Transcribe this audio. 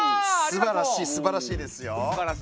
すばらしいですよ。